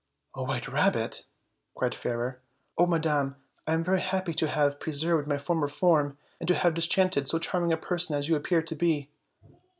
"A white rabbit!" cried Fairer. "Oh, madam, I am very happy to have preserved my proper form, and to have disenchanted so charming a person as you appear to be."